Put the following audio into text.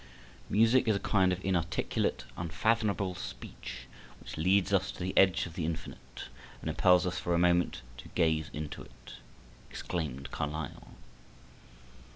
"Music is a kind of inarticulate, unfathomable speech, which leads us to the edge of the Infinite, and impels us for a moment to gaze into it," exclaimed Carlyle.